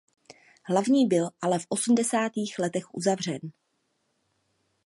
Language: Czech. Hlavní byl ale v osmdesátých letech uzavřen.